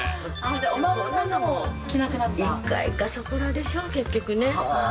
じゃあ、お孫さんがもう着な１回かそこらでしょ、結局ね。